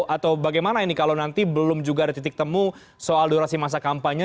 atau bagaimana ini kalau nanti belum juga ada titik temu soal durasi masa kampanye